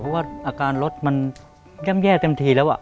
เพราะว่าอาการรถมันย่ำแย่เต็มทีแล้ว